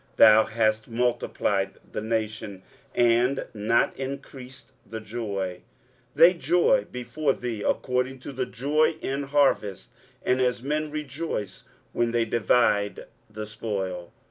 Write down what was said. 23:009:003 Thou hast multiplied the nation, and not increased the joy: they joy before thee according to the joy in harvest, and as men rejoice when they divide the spoil.